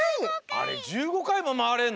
あれ１５かいもまわれんの？